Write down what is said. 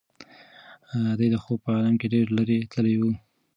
دی د خوب په عالم کې ډېر لرې تللی و.